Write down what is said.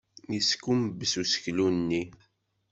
Yeskumbes useklu-nni.